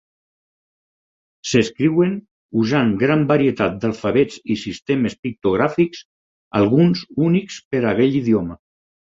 S'escriuen usant gran varietat d'alfabets i sistemes pictogràfics, alguns únics per a aquell idioma.